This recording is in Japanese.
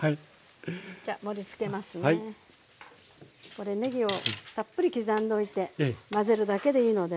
これねぎをたっぷり刻んでおいて混ぜるだけでいいのでね